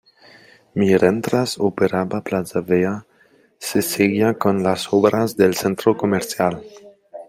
Mientras operaba Plaza Vea se seguía con las obras del centro comercial.